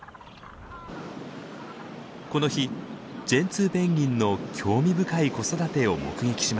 この日ジェンツーペンギンの興味深い子育てを目撃しました。